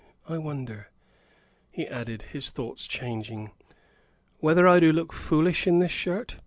I wonder," he added, his thoughts changing, "whether I do look foolish in this shirt?